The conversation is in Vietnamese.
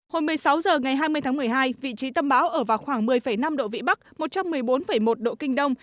hồi một mươi sáu h ngày hai mươi tháng một mươi hai vị trí tâm bão ở vào khoảng một mươi năm độ vĩ bắc một trăm một mươi bốn một độ kinh đông